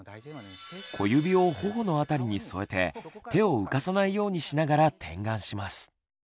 小指をほほの辺りに添えて手を浮かさないようにしながら点眼します。